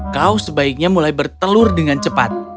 kau sebaiknya mulai bertelur dengan cepat